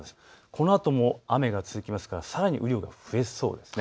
このあとも雨が続きますからさらに雨量が増えそうです。